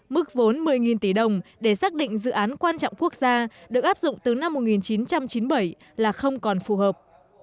mức vốn một mươi tỷ đồng để xác định dự án quan trọng quốc gia được áp dụng từ năm một nghìn chín trăm chín mươi bảy là không còn phù hợp